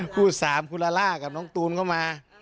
พูดสามคุณลาร่ากับน้องตูนก็มา